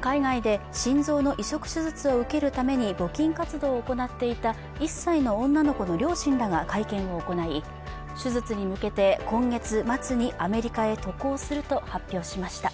海外で心臓の移植手術を受けるために募金活動を行っていた１歳の女の子の両親らが会見を行い手術に向けて今月末にアメリカへ渡航すると発表しました。